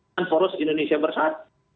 kan poros indonesia bersaat